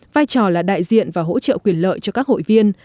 vai trò là đại diện và hỗ trợ quyền lợi cho các hội viên